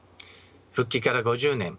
復帰から５０年。